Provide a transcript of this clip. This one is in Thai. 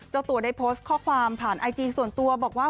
เจ้าตัวได้โพสต์ข้อความผ่านไอจีส่วนตัวบอกว่า